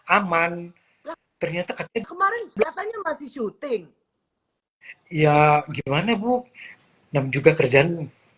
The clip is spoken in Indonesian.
aman lah ternyata kemarin kelihatannya masih syuting ya gimana bu yang juga kerjaan